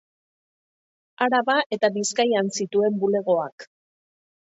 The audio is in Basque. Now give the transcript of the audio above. Araba eta Bizkaian zituen bulegoak.